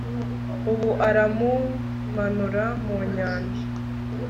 Ubu aramumanura mu nyanja